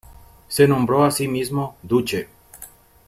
Se nombró a sí mismo Duce.